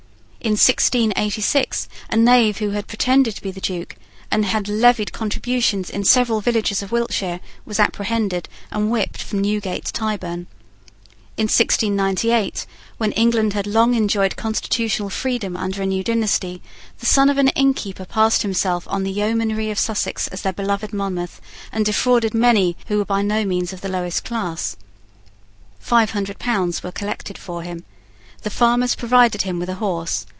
In 1686, a knave who had pretended to be the Duke, and had levied contributions in several villages of Wiltshire, was apprehended, and whipped from Newgate to Tyburn. In 1698, when England had long enjoyed constitutional freedom under a new dynasty, the son of an innkeeper passed himself on the yeomanry of Sussex as their beloved Monmouth, and defrauded many who were by no means of the lowest class. Five hundred pounds were collected for him. The farmers provided him with a horse.